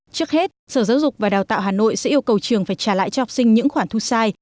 trước hết sở giáo dục và đào tạo hà nội sẽ yêu cầu trường phải trả lại cho học sinh những khoản thu sai